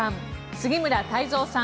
杉村太蔵さん